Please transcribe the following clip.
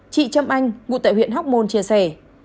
chị trâm anh ngụ tại huyện hóc môn chia sẻ